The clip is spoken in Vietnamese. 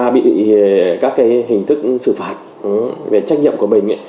bị các hình thức xử phạt về trách nhiệm của mình